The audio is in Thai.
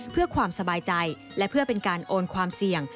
เพื่อความสบายใจและเพื่อเป็นการโอนความเสี่ยง